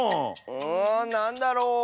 うんなんだろう？